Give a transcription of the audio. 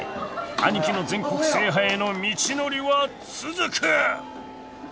［アニキの全国制覇への道のりは続く！］